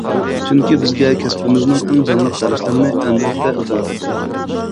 چۈنكى بىزگە كەسپىمىزنىڭ ئەڭ جانلىق دەرسلىرىنى ئەمدىلىكتە ئۆتۈۋاتاتتى.